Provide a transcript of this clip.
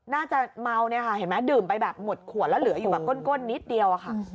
น่าจะเมาดื่มไปหมดขวดแล้วเหลืออยู่ก้นนิดเดียว